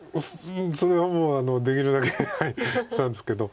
それはもうできるだけしたいんですけど。